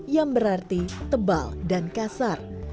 yang berarti tebal dan kasar